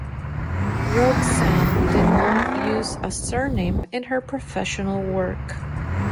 Roxanne did not use a surname in her professional work.